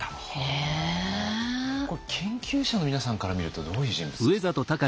これ研究者の皆さんから見るとどういう人物ですか？